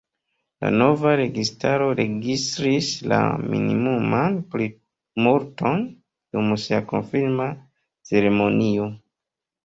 La nova registaro registris la minimuman plimulton dum sia konfirma ceremonio.